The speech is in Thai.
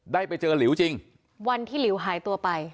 ได้ไปเจอหลิวจริงวันที่หลิวหายตัวไป